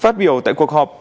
phát biểu tại cuộc họp